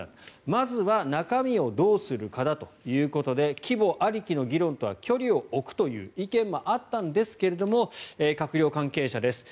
まずは中身をどうするのかということで規模ありきの議論とは距離を置くという意見もあったんですが閣僚経験者です。